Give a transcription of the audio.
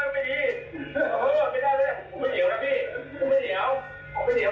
ทีนี้ลุงเราพูดดีที่เค้าได้